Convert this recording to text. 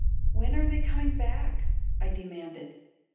"When are they coming back?" I demanded.